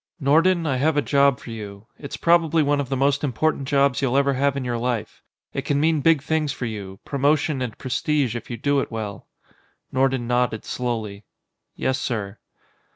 "Nordon, I have a job for you. It's probably one of the most important jobs you'll ever have in your life. It can mean big things for you promotion and prestige if you do it well." Nordon nodded slowly. "Yes, sir."